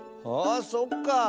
あそっか。